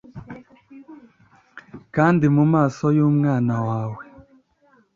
kandi, mumaso yumwana wawe